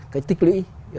cái tích lũy